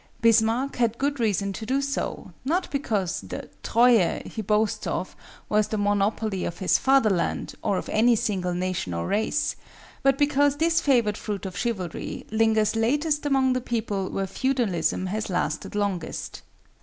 Bismarck had good reason to do so, not because the Treue he boasts of was the monopoly of his Fatherland or of any single nation or race, but because this favored fruit of chivalry lingers latest among the people where feudalism has lasted longest.